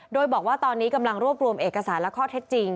โดยบอกว่าตอนนี้กำลังรวบรวมเอกสารและข้อเท็จจริง